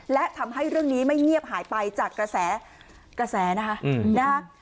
และทำให้เรื่องนี้ไม่เงียบหายไปจากกระแสกระแสนะคะ